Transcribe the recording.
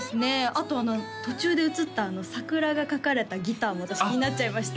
あとあの途中で映った桜が描かれたギターも私気になっちゃいました